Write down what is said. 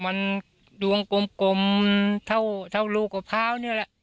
มันดวงกลมเท่าลูกมะพร้าวนี่แหละ